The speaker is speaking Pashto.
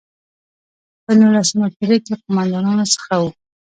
په نولسمه پېړۍ کې قوماندانانو څخه وو.